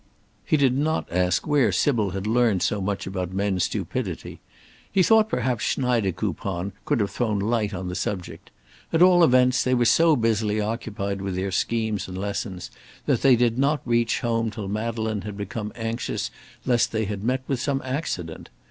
He did not ask where Sybil had learned so much about men's stupidity. He thought perhaps Schneidekoupon could have thrown light on the subject. At all events, they were so busily occupied with their schemes and lessons, that they did not reach home till Madeleine had become anxious lest they had met with some accident.